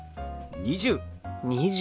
「２０」。